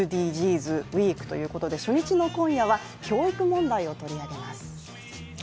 ウィークということで初日の今夜は教育問題を取り上げます。